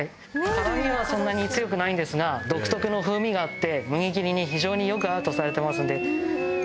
辛みはそんなに強くないんですが独特の風味があって麦切りに非常によく合うとされてますので。